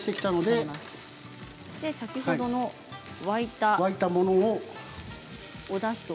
先ほど沸かしたものを。